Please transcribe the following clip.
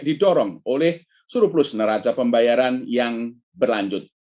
didorong oleh surplus neraca pembayaran yang berlanjut